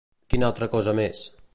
Quina altra cosa més?